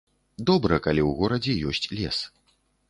Добра, калі ў горадзе ёсць лес.